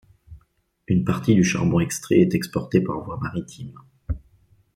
Une partie du charbon extrait est exporté par voie maritime.